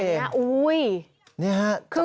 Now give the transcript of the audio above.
นี่ไงจังหวะนี้ครับอุ๊ย